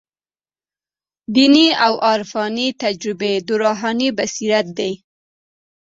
دیني او عرفاني تجربې د روحاني بصیرت دي.